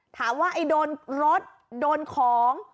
ถามว่าไอ้โดนรถโดนของ